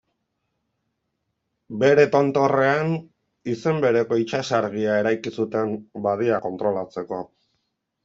Bere tontorrean, izen bereko itsasargia eraiki zuten badia kontrolatzeko.